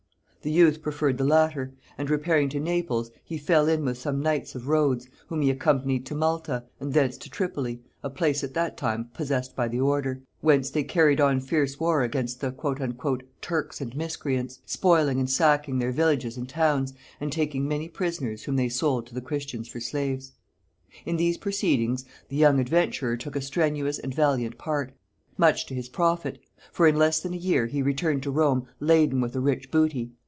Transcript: The youth preferred the latter; and repairing to Naples, he fell in with some knights of Rhodes, whom he accompanied to Malta, and thence to Tripoli, a place at that time possessed by the order, whence they carried on fierce war against the "Turks and miscreants," spoiling and sacking their villages and towns, and taking many prisoners whom they sold to the Christians for slaves. In these proceedings, the young adventurer took a strenuous and valiant part, much to his profit; for in less than a year he returned to Rome laden with a rich booty.